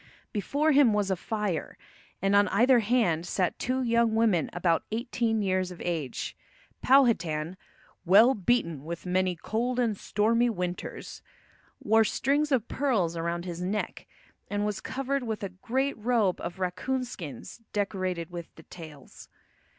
Before him was a fire, and on either hand sat two young women about eighteen years of age. Powhatan, "well beaten with many cold and stormy winters," wore strings of pearls around his neck, and was covered with a great robe of raccoon skins decorated with the tails.